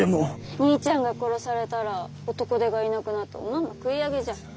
兄ちゃんが殺されたら男手がいなくなっておまんま食い上げじゃ。